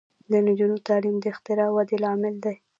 د نجونو تعلیم د اختراع ودې لامل دی.